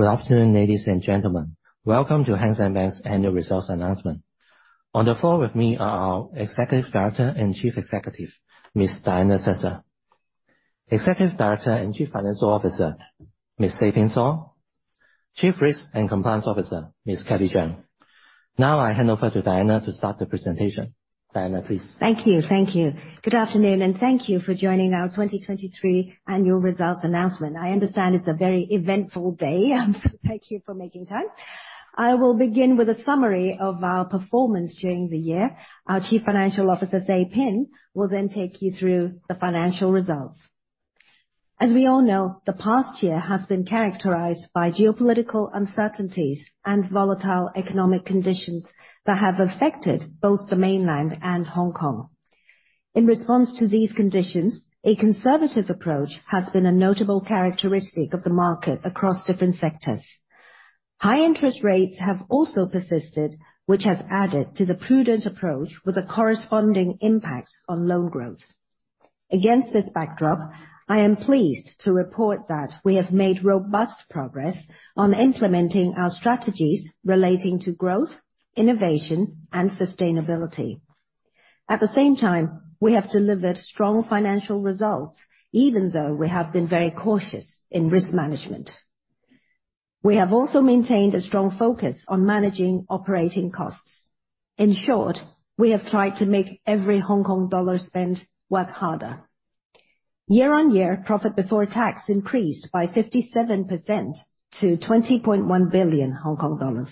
Good afternoon, ladies and gentlemen. Welcome to Hang Seng Bank's annual results announcement. On the floor with me are our Executive Director and Chief Executive, Ms. Diana Cesar, Executive Director and Chief Financial Officer, Ms. Say Pin Saw, Chief Risk and Compliance Officer, Ms. Kathy Cheung. Now I hand over to Diana to start the presentation. Diana, please. Thank you, thank you. Good afternoon, and thank you for joining our 2023 annual results announcement. I understand it's a very eventful day, so thank you for making time. I will begin with a summary of our performance during the year. Our Chief Financial Officer, Say Pin, will then take you through the financial results. As we all know, the past year has been characterized by geopolitical uncertainties and volatile economic conditions that have affected both the mainland and Hong Kong. In response to these conditions, a conservative approach has been a notable characteristic of the market across different sectors. High interest rates have also persisted, which has added to the prudent approach with a corresponding impact on loan growth. Against this backdrop, I am pleased to report that we have made robust progress on implementing our strategies relating to growth, innovation, and sustainability. At the same time, we have delivered strong financial results even though we have been very cautious in risk management. We have also maintained a strong focus on managing operating costs. In short, we have tried to make every Hong Kong dollar spent work harder. Year-on-year, profit before tax increased by 57% to 20.1 billion Hong Kong dollars.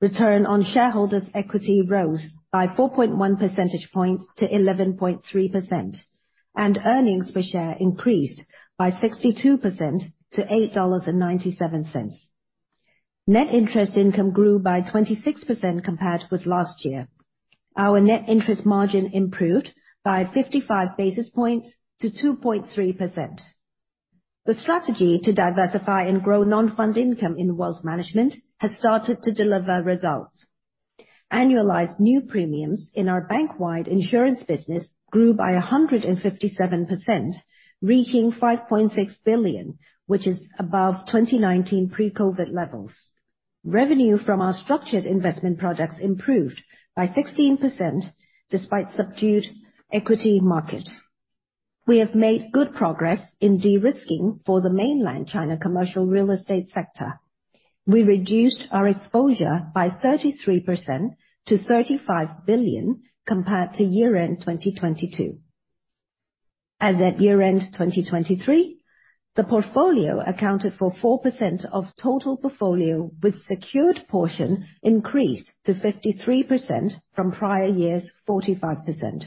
Return on shareholders' equity rose by 4.1 percentage points to 11.3%, and earnings per share increased by 62% to 8.97 dollars. Net interest income grew by 26% compared with last year. Our net interest margin improved by 55 basis points to 2.3%. The strategy to diversify and grow non-fund income in wealth management has started to deliver results. Annualized new premiums in our bank-wide insurance business grew by 157%, reaching 5.6 billion, which is above 2019 pre-COVID levels. Revenue from our structured investment products improved by 16% despite subdued equity market. We have made good progress in de-risking for the Mainland China commercial real estate sector. We reduced our exposure by 33% to 35 billion compared to year-end 2022. As at year-end 2023, the portfolio accounted for 4% of total portfolio, with the secured portion increased to 53% from prior year's 45%.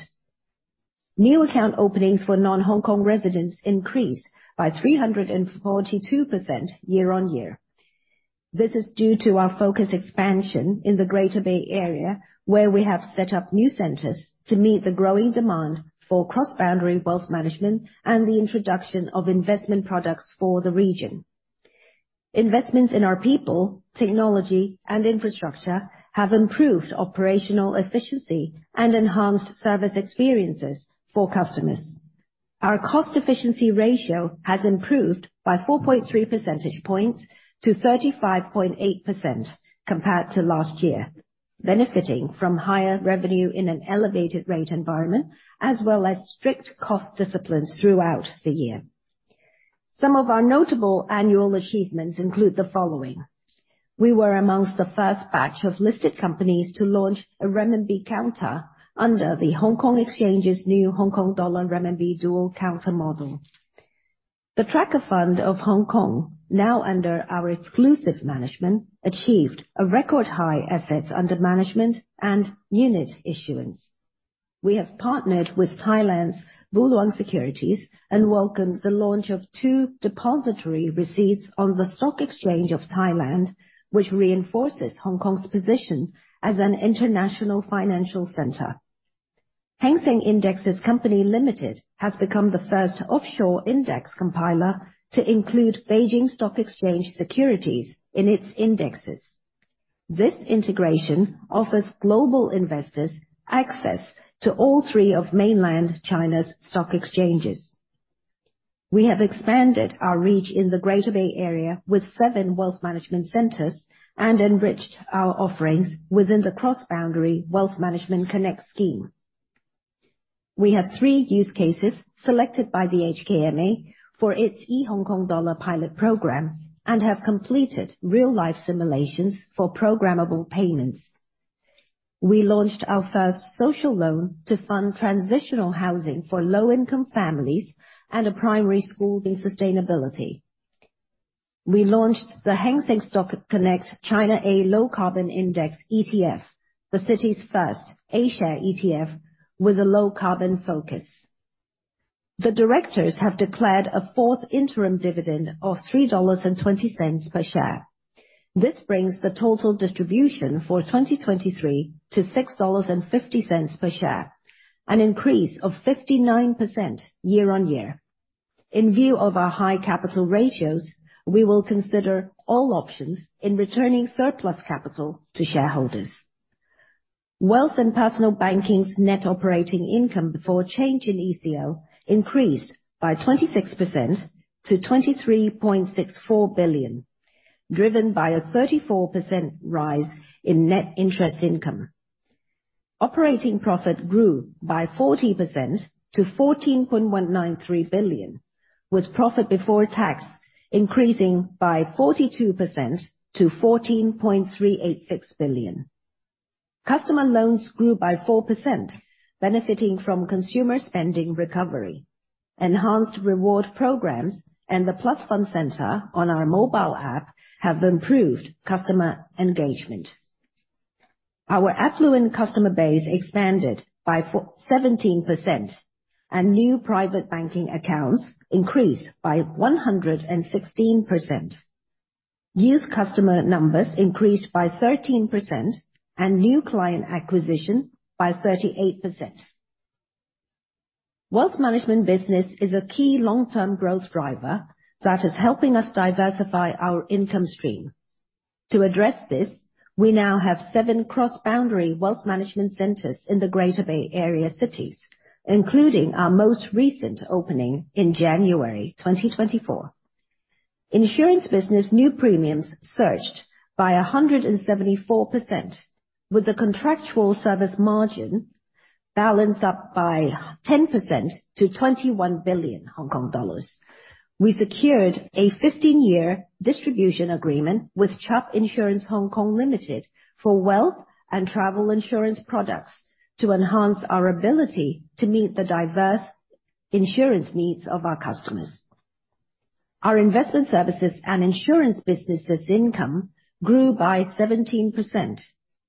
New account openings for non-Hong Kong residents increased by 342% year-on-year. This is due to our focus expansion in the Greater Bay Area, where we have set up new centers to meet the growing demand for cross-boundary wealth management and the introduction of investment products for the region. Investments in our people, technology, and infrastructure have improved operational efficiency and enhanced service experiences for customers. Our cost-efficiency ratio has improved by 4.3 percentage points to 35.8% compared to last year, benefiting from higher revenue in an elevated rate environment as well as strict cost discipline throughout the year. Some of our notable annual achievements include the following: we were amongst the first batch of listed companies to launch a renminbi counter under the Hong Kong Exchange's new HKD-RMB Dual Counter Model. The Tracker Fund of Hong Kong, now under our exclusive management, achieved a record high assets under management and unit issuance. We have partnered with Thailand's Bualuang Securities and welcomed the launch of two depositary receipts on the Stock Exchange of Thailand, which reinforces Hong Kong's position as an international financial center. Hang Seng Indexes Company Limited has become the first offshore index compiler to include Beijing Stock Exchange securities in its indexes. This integration offers global investors access to all three of mainland China's stock exchanges. We have expanded our reach in the Greater Bay Area with seven wealth management centers and enriched our offerings within the cross-boundary Wealth Management Connect scheme. We have three use cases selected by the HKMA for its e-Hong Kong dollar pilot program and have completed real-life simulations for programmable payments. We launched our first social loan to fund transitional housing for low-income families and a primary school. Sustainability. We launched the Hang Seng Stock Connect China A Low Carbon Index ETF, the city's first A-share ETF with a low carbon focus. The directors have declared a fourth interim dividend of HKD 3.20 per share. This brings the total distribution for 2023 to 6.50 dollars per share, an increase of 59% year-over-year. In view of our high capital ratios, we will consider all options in returning surplus capital to shareholders. Wealth and Personal Banking's net operating income before change in ECL increased by 26% to 23.64 billion, driven by a 34% rise in net interest income. Operating profit grew by 40% to 14.193 billion, with profit before tax increasing by 42% to 14.386 billion. Customer loans grew by 4%, benefiting from consumer spending recovery. Enhanced reward programs and the +FUN Centre on our mobile app have improved customer engagement. Our affluent customer base expanded by 17%, and new private banking accounts increased by 116%. New customer numbers increased by 13%, and new client acquisition by 38%. Wealth management business is a key long-term growth driver that is helping us diversify our income stream. To address this, we now have seven cross-boundary wealth management centers in the Greater Bay Area cities, including our most recent opening in January 2024. Insurance business new premiums surged by 174%, with the contractual service margin balance up by 10% to 21 billion Hong Kong dollars. We secured a 15 year distribution agreement with Chubb Insurance Hong Kong Limited for wealth and travel insurance products to enhance our ability to meet the diverse insurance needs of our customers. Our investment services and insurance businesses income grew by 17%,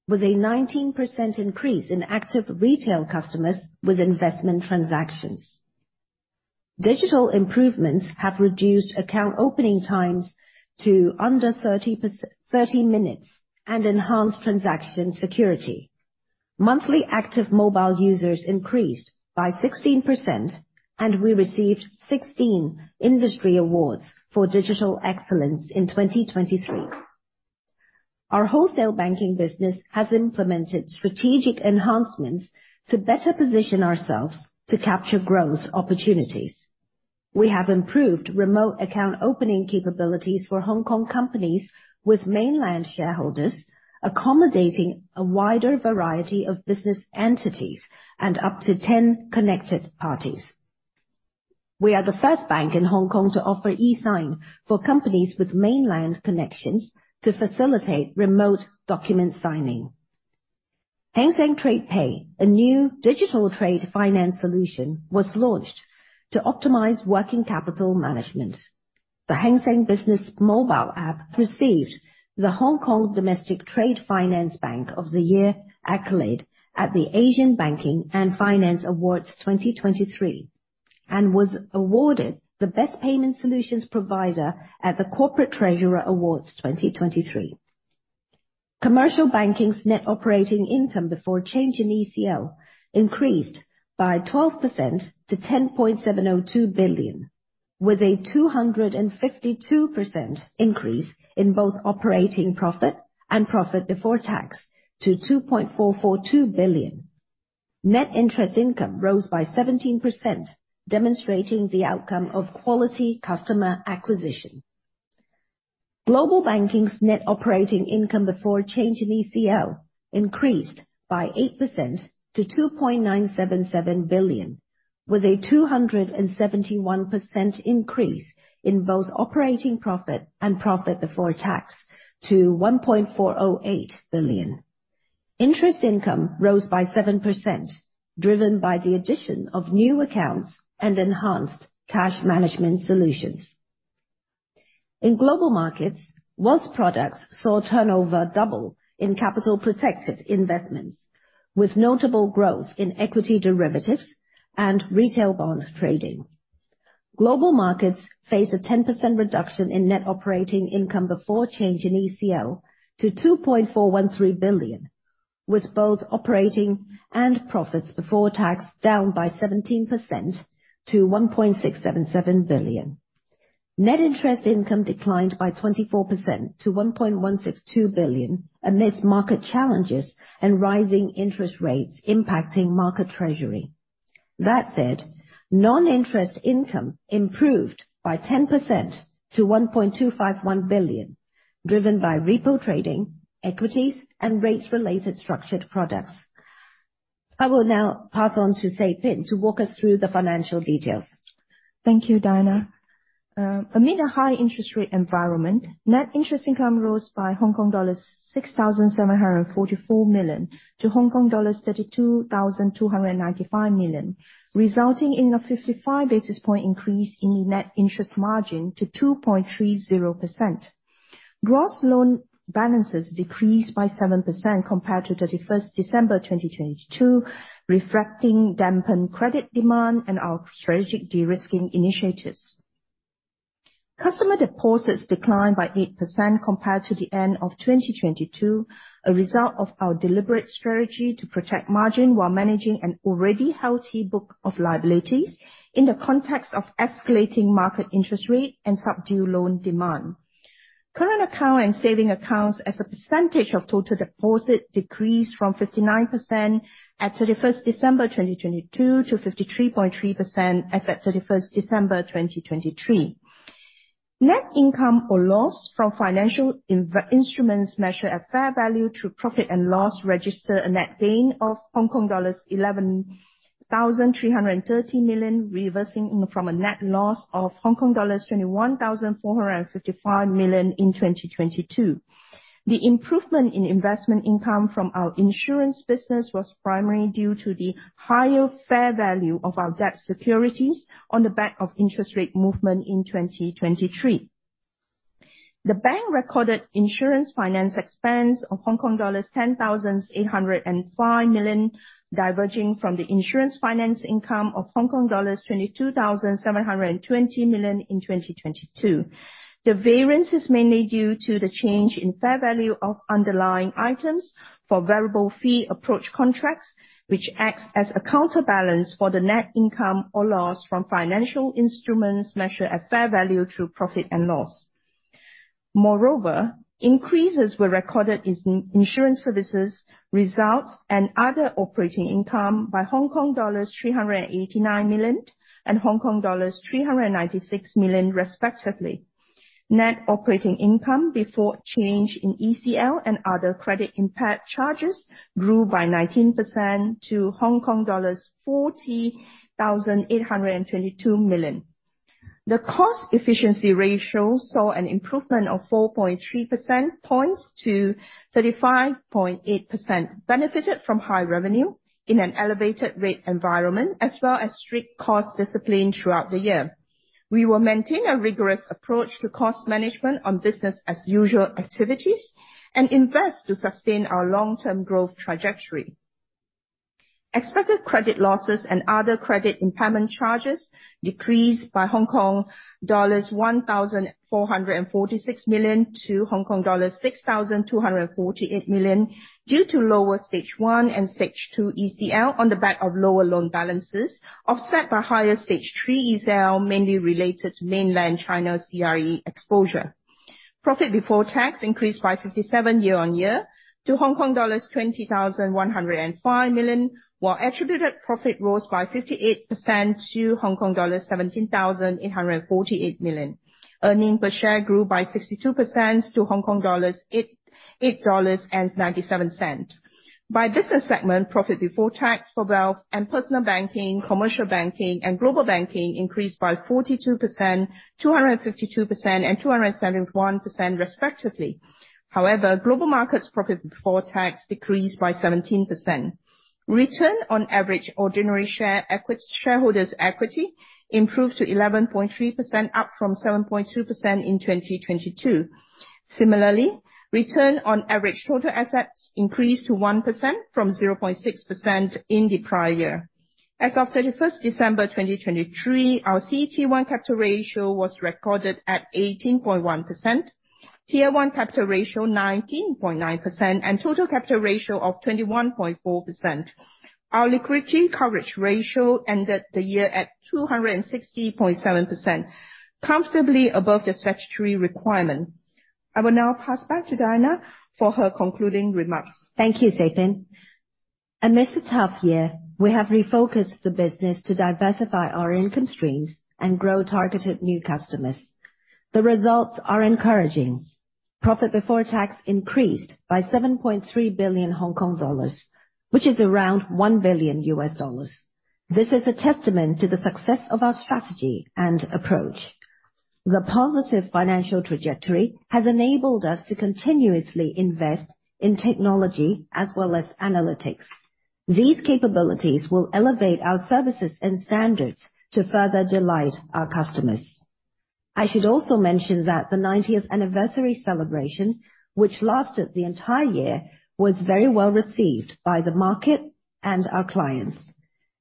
with a 19% increase in active retail customers with investment transactions. Digital improvements have reduced account opening times to under 30 minutes and enhanced transaction security. Monthly active mobile users increased by 16%, and we received 16 industry awards for digital excellence in 2023. Our wholesale banking business has implemented strategic enhancements to better position ourselves to capture growth opportunities. We have improved remote account opening capabilities for Hong Kong companies with mainland shareholders, accommodating a wider variety of business entities and up to 10 connected parties. We are the first bank in Hong Kong to offer e-Sign for companies with mainland connections to facilitate remote document signing. Hang Seng TradePay, a new digital trade finance solution, was launched to optimize working capital management. The Hang Seng Business Mobile App received the Hong Kong Domestic Trade Finance Bank of the Year accolade at the Asian Banking and Finance Awards 2023 and was awarded the Best Payment Solutions Provider at the Corporate Treasurer Awards 2023. Commercial Banking's net operating income before change in ECL increased by 12% to 10.702 billion, with a 252% increase in both operating profit and profit before tax to 2.442 billion. Net interest income rose by 17%, demonstrating the outcome of quality customer acquisition. Global Banking's net operating income before change in ECL increased by 8% to 2.977 billion, with a 271% increase in both operating profit and profit before tax to 1.408 billion. Interest income rose by 7%, driven by the addition of new accounts and enhanced cash management solutions. In Global Markets, wealth products saw turnover double in capital-protected investments, with notable growth in equity derivatives and retail bond trading. Global Markets faced a 10% reduction in net operating income before change in ECL to 2.413 billion, with both operating and profits before tax down by 17% to 1.677 billion. Net interest income declined by 24% to 1.162 billion amidst market challenges and rising interest rates impacting Market Treasury. That said, non-interest income improved by 10% to 1.251 billion, driven by repo trading, equities, and rates-related structured products. I will now pass on to Say Pin to walk us through the financial details. Thank you, Diana. Amid a high interest rate environment, net interest income rose by Hong Kong dollars 6,744 million to Hong Kong dollars 32,295 million, resulting in a 55 basis point increase in the net interest margin to 2.30%. Gross loan balances decreased by 7% compared to 31st December 2022, reflecting dampened credit demand and our strategic de-risking initiatives. Customer deposits declined by 8% compared to the end of 2022, a result of our deliberate strategy to protect margin while managing an already healthy book of liabilities in the context of escalating market interest rate and subdued loan demand. Current account and savings accounts as a percentage of total deposit decreased from 59% at 31st December 2022 to 53.3% as at 31st December 2023. Net income or loss from financial instruments measured at fair value through profit and loss registered a net gain of Hong Kong dollars 11,330 million, reversing from a net loss of HKD 21,455 million in 2022. The improvement in investment income from our insurance business was primarily due to the higher fair value of our debt securities on the back of interest rate movement in 2023. The bank recorded insurance finance expense of Hong Kong dollars 10,805 million, diverging from the insurance finance income of Hong Kong dollars 22,720 million in 2022. The variance is mainly due to the change in fair value of underlying items for variable fee approach contracts, which acts as a counterbalance for the net income or loss from financial instruments measured at fair value through profit and loss. Moreover, increases were recorded in insurance services, results, and other operating income by Hong Kong dollars 389 million and Hong Kong dollars 396 million, respectively. Net operating income before change in ECL and other credit impairment charges grew by 19% to Hong Kong dollars 40,822 million. The cost-efficiency ratio saw an improvement of 4.3 percentage points to 35.8%, benefited from high revenue in an elevated rate environment as well as strict cost discipline throughout the year. We will maintain a rigorous approach to cost management on business-as-usual activities and invest to sustain our long-term growth trajectory. Expected credit losses and other credit impairment charges decreased by Hong Kong dollars 1,446 million to Hong Kong dollars 6,248 million due to lower Stage 1 and Stage 2 ECL on the back of lower loan balances offset by higher Stage 3 ECL, mainly related to Mainland China CRE exposure. Profit before tax increased by 57% year-on-year to Hong Kong dollars 20,105 million, while attributed profit rose by 58% to Hong Kong dollars 17,848 million. Earnings per share grew by 62% to HKD 8.97. By business segment, profit before tax for Wealth and Personal Banking, Commercial Banking, and Global Banking increased by 42%, 252%, and 271%, respectively. However, Global Market's profit before tax decreased by 17%. Return on average ordinary shareholders' equity improved to 11.3%, up from 7.2% in 2022. Similarly, return on average total assets increased to 1% from 0.6% in the prior year. As of 31st December 2023, our CET1 capital ratio was recorded at 18.1%, Tier 1 capital ratio 19.9%, and total capital ratio of 21.4%. Our liquidity coverage ratio ended the year at 260.7%, comfortably above the statutory requirement. I will now pass back to Diana for her concluding remarks. Thank you, Say Pin. Amidst a tough year, we have refocused the business to diversify our income streams and grow targeted new customers. The results are encouraging. Profit before tax increased by 7.3 billion Hong Kong dollars, which is around $1 billion. This is a testament to the success of our strategy and approach. The positive financial trajectory has enabled us to continuously invest in technology as well as analytics. These capabilities will elevate our services and standards to further delight our customers. I should also mention that the 90th anniversary celebration, which lasted the entire year, was very well received by the market and our clients.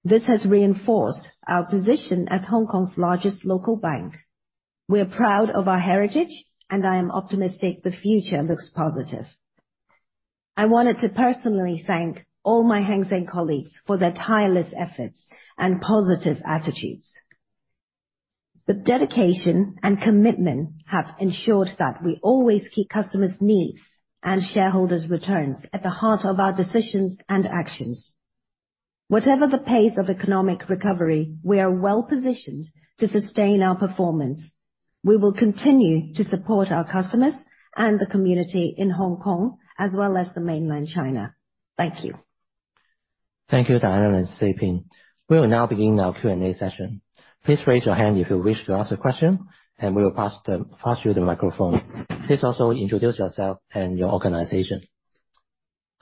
This has reinforced our position as Hong Kong's largest local bank. We are proud of our heritage, and I am optimistic the future looks positive. I wanted to personally thank all my Hang Seng colleagues for their tireless efforts and positive attitudes. The dedication and commitment have ensured that we always keep customers' needs and shareholders' returns at the heart of our decisions and actions. Whatever the pace of economic recovery, we are well positioned to sustain our performance. We will continue to support our customers and the community in Hong Kong as well as Mainland China. Thank you. Thank you, Diana and Say Pin. We will now begin our Q&A session. Please raise your hand if you wish to ask a question, and we will pass you the microphone. Please also introduce yourself and your organization.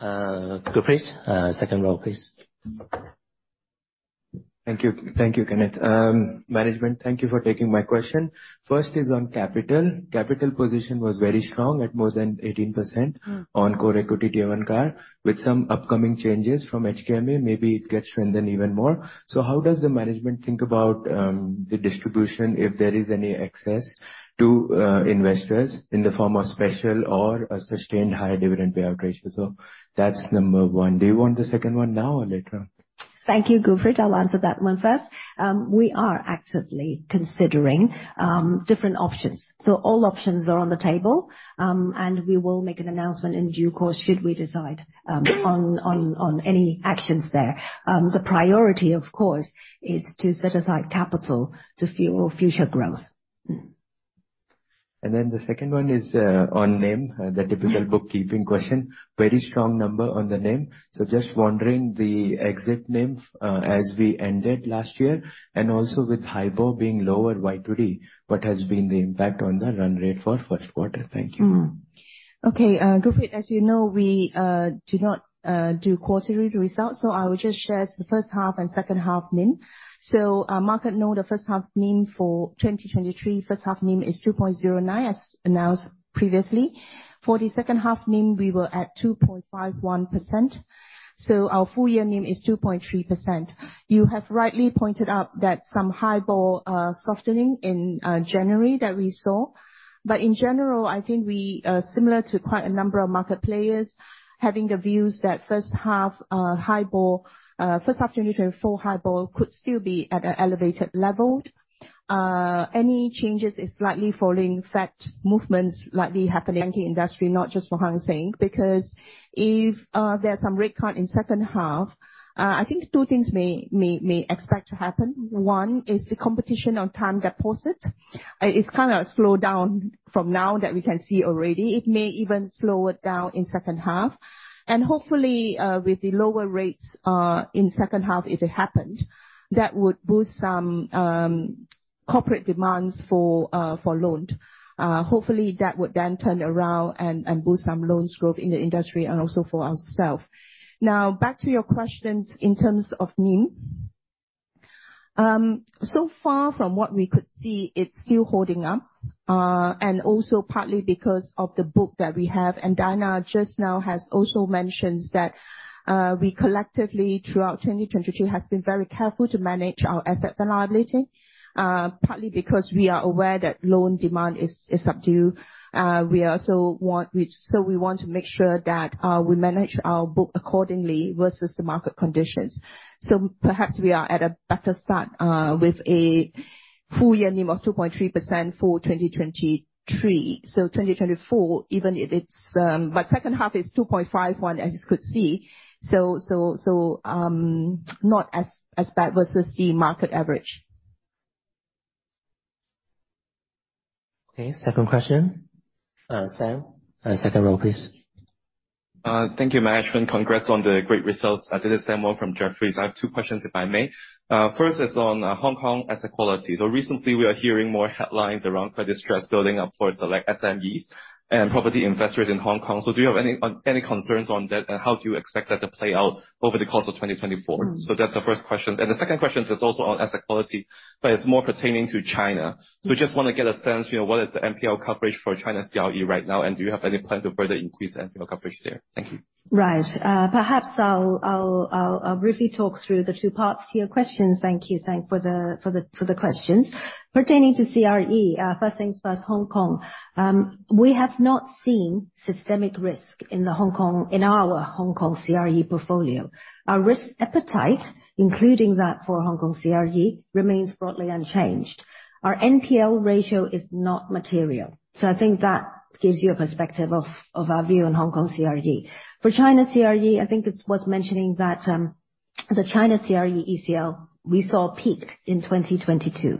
Gurpreet, second row, please. Thank you, Kenneth. Management, thank you for taking my question. First is on capital. Capital position was very strong at more than 18% on CET1 CAR, with some upcoming changes from HKMA. Maybe it gets strengthened even more. So how does the management think about the distribution if there is any excess to investors in the form of special or a sustained high dividend payout ratio? So that's number one. Do you want the second one now or later? Thank you, Gurpreet, I'll answer that one first. We are actively considering different options. So all options are on the table, and we will make an announcement in due course should we decide on any actions there. The priority, of course, is to set aside capital to fuel future growth. And then the second one is on NIM, the typical bookkeeping question. Very strong number on the NIM. So just wondering the exit NIM as we ended last year, and also with HIBOR being lower YTD, what has been the impact on the run rate for first quarter? Thank you. Okay, Gurpreet, as you know, we do not do quarterly results, so I will just share the first half and second half NIM. So market know the first half NIM for 2023, first half NIM is 2.09%, as announced previously. For the second half NIM, we were at 2.51%. So our full year NIM is 2.3%. You have rightly pointed out that some HIBOR softening in January that we saw. But in general, I think we, similar to quite a number of market players, have the views that first half HIBOR, first half 2024 HIBOR, could still be at an elevated level. Any changes is likely falling. Fed movements likely happening. Banking industry, not just for Hang Seng, because if there's some rate cut in second half, I think two things may expect to happen. One is the competition on time deposit. It's kind of a slowdown from now that we can see already. It may even slow it down in second half. Hopefully, with the lower rates in second half, if it happened, that would boost some corporate demands for loans. Hopefully, that would then turn around and boost some loans growth in the industry and also for ourselves. Now, back to your questions in terms of NIM. So far from what we could see, it's still holding up, and also partly because of the book that we have. Diana just now has also mentioned that we collectively, throughout 2022, have been very careful to manage our assets and liabilities, partly because we are aware that loan demand is subdued. So we want to make sure that we manage our book accordingly versus the market conditions. So perhaps we are at a better start with a full year NIM of 2.3% for 2023. So 2024, even if it's but second half is 2.51%, as you could see. So not as bad versus the market average. Okay, second question. Sam, second row, please. Thank you, management. Congrats on the great results. This is Sam Wong from Jefferies. I have two questions, if I may. First is on Hong Kong asset quality. So recently, we are hearing more headlines around credit stress building up for select SMEs and property investors in Hong Kong. So do you have any concerns on that, and how do you expect that to play out over the course of 2024? So that's the first question. And the second question is also on asset quality, but it's more pertaining to China. So we just want to get a sense, what is the NPL coverage for China CRE right now, and do you have any plan to further increase NPL coverage there? Thank you. Right. Perhaps I'll briefly talk through the two parts to your questions. Thank you, Sam, for the questions. Pertaining to CRE, first things first, Hong Kong. We have not seen systemic risk in our Hong Kong CRE portfolio. Our risk appetite, including that for Hong Kong CRE, remains broadly unchanged. Our NPL ratio is not material. So I think that gives you a perspective of our view on Hong Kong CRE. For China CRE, I think it's worth mentioning that the China CRE ECL we saw peaked in 2022.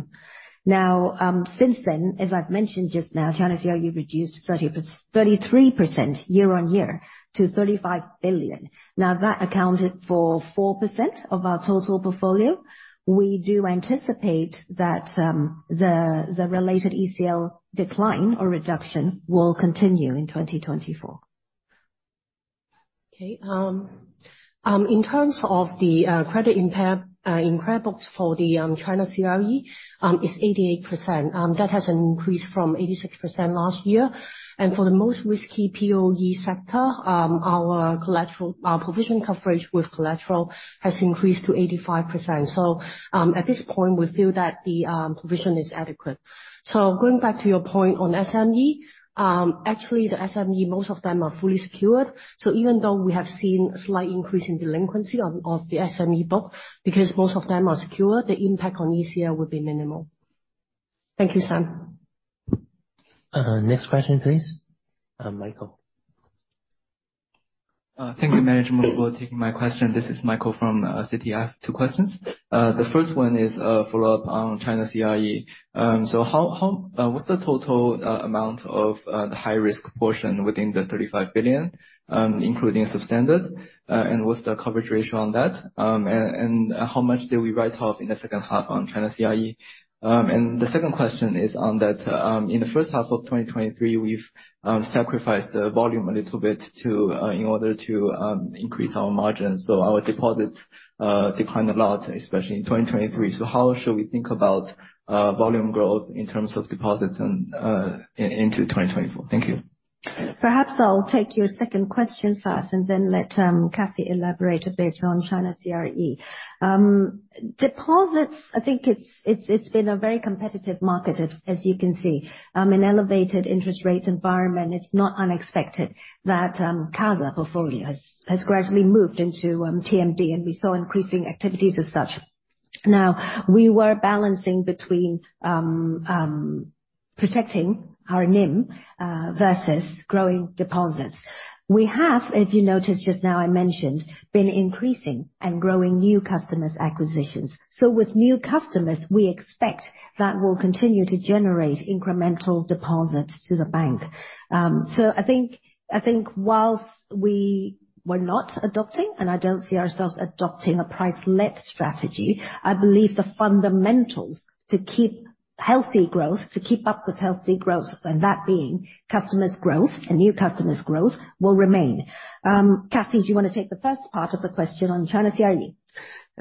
Now, since then, as I've mentioned just now, China CRE reduced 33% year-on-year to 35 billion. Now, that accounted for 4% of our total portfolio. We do anticipate that the related ECL decline or reduction will continue in 2024. Okay. In terms of the credit impact for the China CRE, it's 88%. That has increased from 86% last year. For the most risky POE sector, our provision coverage with collateral has increased to 85%. So at this point, we feel that the provision is adequate. So going back to your point on SME, actually, the SME, most of them are fully secured. So even though we have seen a slight increase in delinquency of the SME book, because most of them are secured, the impact on ECL would be minimal. Thank you, Sam. Next question, please. Michael. Thank you, management, for taking my question. This is Michael from CTF. Two questions. The first one is a follow-up on China CRE. So what's the total amount of the high-risk portion within the 35 billion, including substandard? And what's the coverage ratio on that? And how much did we write off in the second half on China CRE? And the second question is on that. In the first half of 2023, we've sacrificed the volume a little bit in order to increase our margins. So our deposits declined a lot, especially in 2023. So how should we think about volume growth in terms of deposits into 2024? Thank you. Perhaps I'll take your second question first and then let Kathy elaborate a bit on China CRE. Deposits, I think it's been a very competitive market, as you can see. In an elevated interest rate environment, it's not unexpected that CASA portfolio has gradually moved into TMD, and we saw increasing activities as such. Now, we were balancing between protecting our NIM versus growing deposits. We have, if you noticed just now I mentioned, been increasing and growing new customers' acquisitions. So with new customers, we expect that will continue to generate incremental deposits to the bank. So I think while we were not adopting, and I don't see ourselves adopting a price-led strategy, I believe the fundamentals to keep healthy growth, to keep up with healthy growth, and that being customers' growth and new customers' growth, will remain. Kathy, do you want to take the first part of the question on China CRE?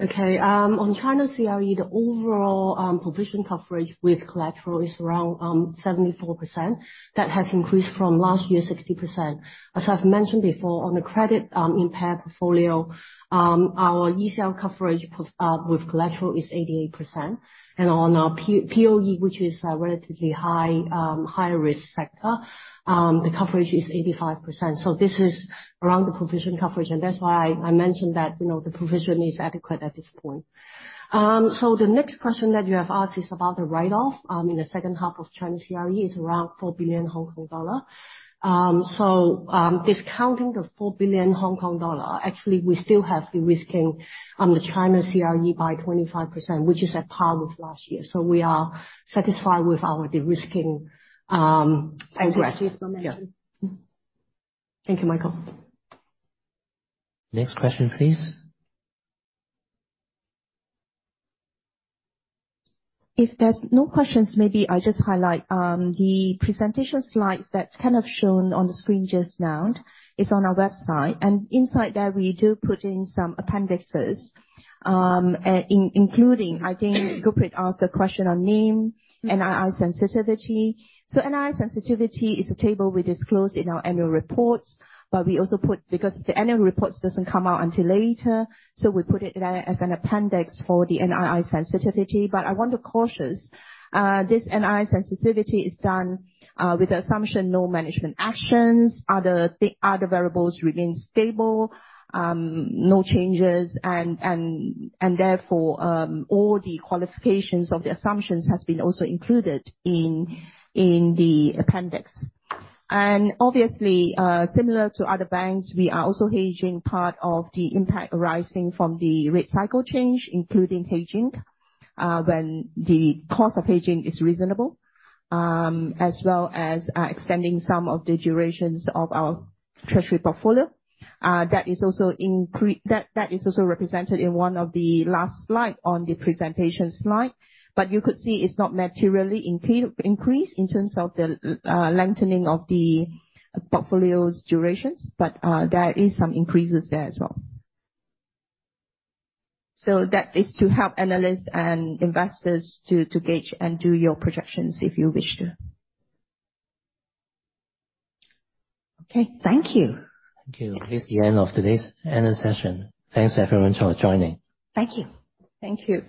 Okay. On China CRE, the overall provision coverage with collateral is around 74%. That has increased from last year 60%. As I've mentioned before, on the credit impact portfolio, our ECL coverage with collateral is 88%. And on our POE, which is a relatively high-risk sector, the coverage is 85%. So this is around the provision coverage. And that's why I mentioned that the provision is adequate at this point. So the next question that you have asked is about the write-off in the second half of China CRE, is around 4 billion Hong Kong dollar. So discounting the 4 billion Hong Kong dollar, actually, we still have de-risking the China CRE by 25%, which is at par with last year. So we are satisfied with our de-risking progress. Thank you, Michael. Next question, please. If there's no questions, maybe I just highlight the presentation slides that kind of shown on the screen just now. It's on our website. And inside there, we do put in some appendices, including, I think, Gurpreet asked a question on NIM, NII sensitivity. So NII sensitivity is a table we disclose in our annual reports, but we also put because the annual reports doesn't come out until later, so we put it there as an appendix for the NII sensitivity. But I want to caution us. This NII sensitivity is done with the assumption no management actions. Other variables remain stable, no changes, and therefore, all the qualifications of the assumptions have been also included in the appendix. Obviously, similar to other banks, we are also hedging part of the impact arising from the rate cycle change, including hedging when the cost of hedging is reasonable, as well as extending some of the durations of our treasury portfolio. That is also represented in one of the last slides on the presentation slide. You could see it's not materially increased in terms of the lengthening of the portfolio's durations, but there are some increases there as well. That is to help analysts and investors to gauge and do your projections if you wish to. Okay. Thank you. Thank you. This is the end of today's annual session. Thanks, everyone, for joining. Thank you. Thank you.